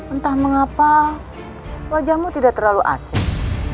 entah mengapa wajahmu tidak terlalu asik